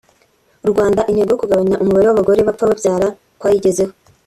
u Rwanda intego yo kugabanya umubare w’ abagore bapfa babyara twayigezeho